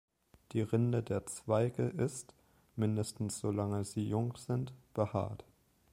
Die Rinde der Zweige ist, mindestens so lange sie jung sind, behaart.